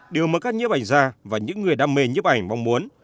điều mà các nhấp ảnh gia và những người đam mê nhấp ảnh mong muốn